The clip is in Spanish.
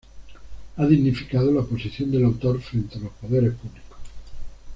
ha dignificado la posición del autor frente a los poderes públicos